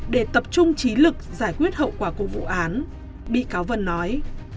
để tập trung trí lực giải quyết hậu quả của vụ án bị cáo vân nói